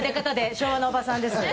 昭和のおばさんです。